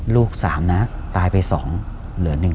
ลูกสามตายไป๒คนเหลือ๑คน